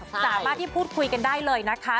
สามารถที่พูดคุยกันได้เลยนะคะ